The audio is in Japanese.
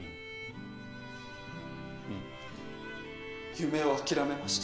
夢を諦めました。